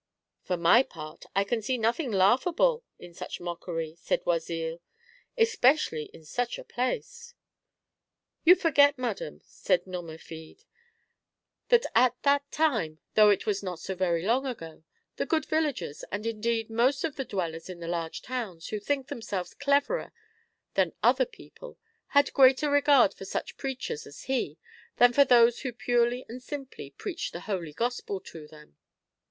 " For my part, I can see nothing laughable in such mockery," said Oisille, " especially in such a place." "You forget, madam," said Nomerfide, "that at SECOND T>AT: <TALE XL (B). 99 that time, though it was not so very long ago, the good villagers, and indeed most of the dwellers in the large towns, who think themselves cleverer than other people, had greater regard for such preachers as he than for those who purely and simply preached the holy Gospel to them."